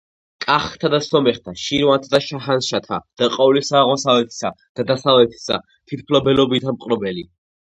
, კახთა და სომეხთა, შირვანთა და შაჰანშათა და ყოვლისა აღმოსავლეთისა და დასავლეთისა თვითმფლობელობითა მპყრობელი“.